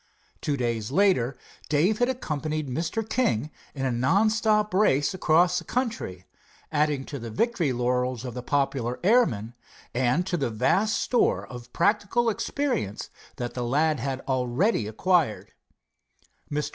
Two days later Dave had accompanied Mr. King in a non stop race across the country, adding to the victory laurels of the popular airman, and to the vast store of practical experience that the lad had already acquired. Mr.